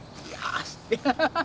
アハハハハ。